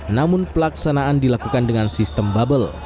namun pelaksanaan dilakukan dengan sistem bubble